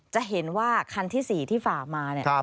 จะเห็นว่าคันที่๔ที่ฝ่ามา